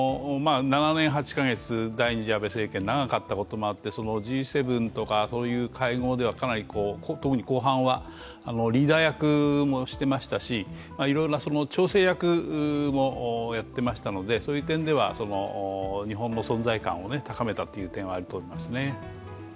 ７年８カ月、第２次安倍政権、長かったということもあってＧ７とか、そういう会合では特に後半はリーダー役もしてましたしいろいろな調整役もやっていましたので、そういう点では、日本の存在感を高めたという点はあると思いますね。